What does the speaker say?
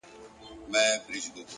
• او دربار یې کړ صفا له رقیبانو,